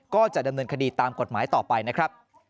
ก็จะดำเนินคดีตามกฎหมายต่อไปนะครับ